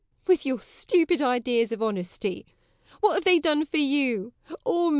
With your stupid ideas of honesty! What have they done for you, or me?